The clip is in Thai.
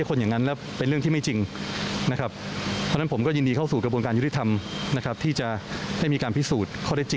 ก็เป็นเรื่องของอนาคต